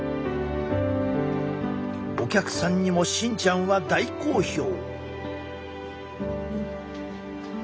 お客さんにも芯ちゃんは大好評。